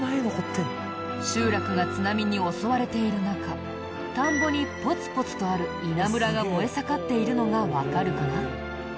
集落が津波に襲われている中田んぼにポツポツとある稲むらが燃え盛っているのがわかるかな？